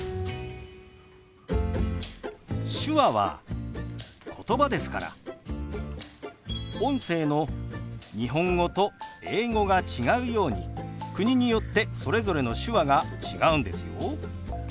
手話はことばですから音声の日本語と英語が違うように国によってそれぞれの手話が違うんですよ。